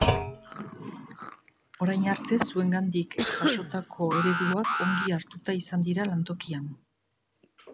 Orain arte zuengandik jasotako ereduak ongi hartuta izan dira lantokian.